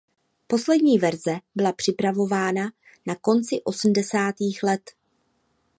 Poslední verze byla připravována na konci osmdesátých let.